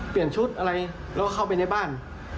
เปลี่ยนชุดอะไรแล้วก็เข้าไปในบ้าน